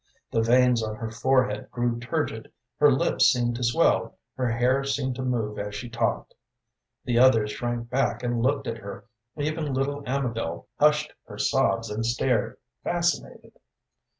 The veins on her forehead grew turgid, her lips seemed to swell, her hair seemed to move as she talked. The others shrank back and looked at her; even little Amabel hushed her sobs and stared, fascinated.